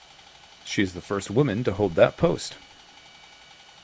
She is the first woman to hold that post.